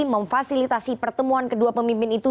memfasilitasi pertemuan kedua pemimpin itu